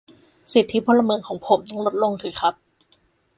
สิทธิพลเมืองของผมต้องลดลงหรือครับ